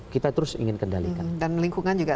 kita terus ingin kendalikan dan lingkungan juga